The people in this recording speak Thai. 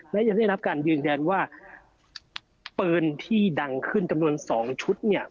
และยังได้รับการยืนยันว่าปืนที่ดังขึ้นจำนวน๒ชุดเนี่ย